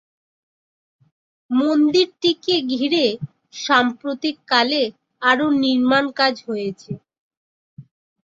মন্দিরটিকে ঘিরে সাম্প্রতিককালে আরো নির্মাণ কাজ হয়েছে।